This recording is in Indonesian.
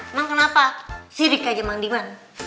emang kenapa sidik aja mandiman